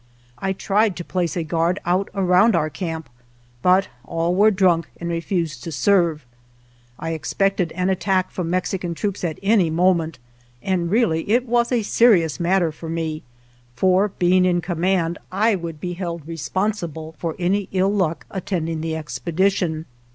I tried to place a guard out around our camp, but all were drunk and refused to serve. I expected an attack from Mexican troops at any moment, and really it was a serious matter for me, for being in command I would be held responsible for any ill luck attending the expedition.